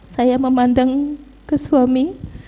saya memandang ke suami